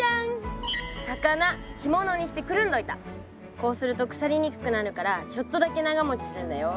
こうすると腐りにくくなるからちょっとだけ長もちするんだよ。